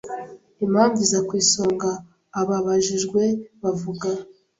Impamvu iza ku isonga ababajijwe bavuga